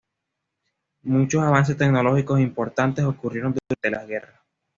Muchos avances tecnológicos importantes ocurrieron durante las guerras.